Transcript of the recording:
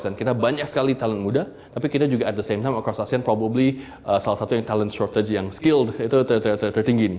dan kita banyak sekali talent muda tapi kita juga at the same time across asean probably salah satu yang talent shortage yang skilled itu tertinggi ini